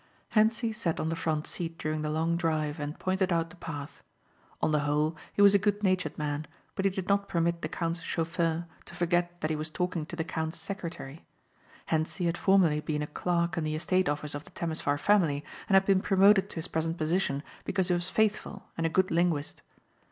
Hentzi sat on the front seat during the long drive and pointed out the path. On the whole he was a good natured man but he did not permit the count's chauffeur to forget that he was talking to the count's secretary. Hentzi had formerly been a clerk in the estate office of the Temesvar family and had been promoted to his present position because he was faithful and a good linguist.